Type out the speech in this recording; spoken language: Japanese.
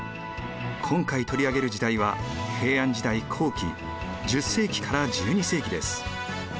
今回取り上げる時代は平安時代後期１０世紀から１２世紀です。